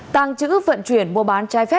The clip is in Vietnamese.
tàng chữ vận chuyển mua bán chai phê